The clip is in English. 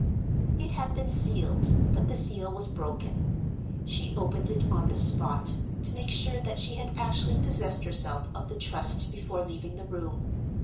It had been sealed, but the seal was broken. She opened it on the spot, to make sure that she had actually possessed herself of the Trust before leaving the room.